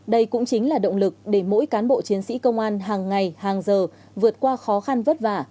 đây cũng chính là động lực để mỗi cán bộ chiến sĩ công an hàng ngày hàng giờ vượt qua khó khăn vất vả